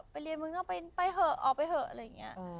ไปเรียนมือก็ไปเถอะออกไปเถอะ